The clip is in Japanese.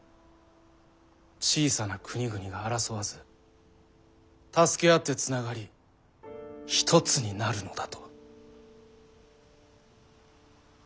小さな国々が争わず助け合ってつながり一つになるのだと。